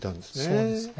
そうですね。